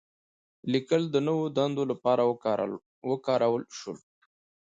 لیکل د نوو دندو لپاره وکارول شول.